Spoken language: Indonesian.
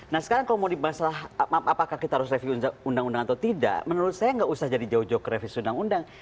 nah sekarang kalau mau dibahas apakah kita harus review undang undang atau tidak menurut saya nggak usah jadi jauh jauh ke revisi undang undang